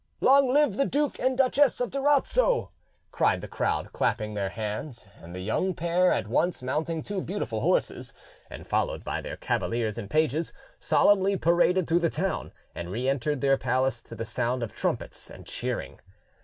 "Long live the Duke and Duchess of Durazzo!" cried the crowd, clapping their hands. And the young pair, at once mounting two beautiful horses and followed by their cavaliers and pages, solemnly paraded through the town, and re entered their palace to the sound of trumpets and cheering.